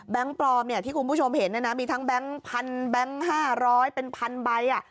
แบงค์ปลอมที่คุณผู้ทรงเห็นนะมีทั้งแบงค์๕๐๐เป็น๑๐๐๐๐๐ไบล์